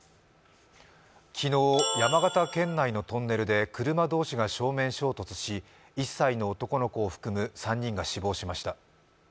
昨日、山形県内のトンネルで車同士が正面衝突し１歳の男の子を含む３人が死亡しました。